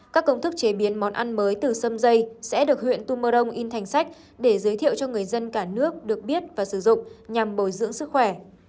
các công thức chế biến món ăn mới từ xâm dây sẽ được huyện tumorong in thành sách để giới thiệu cho người dân cả nước được biết và sử dụng nhằm bồi dưỡng sức khỏe